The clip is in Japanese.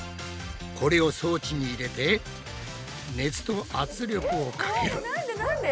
これを装置に入れて熱と圧力をかける。